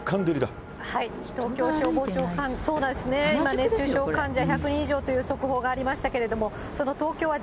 東京消防庁、そうなんですね、今、熱中症患者１００人以上という速報がありましたけれども、その東京はＪＲ